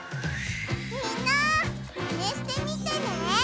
みんなマネしてみてね！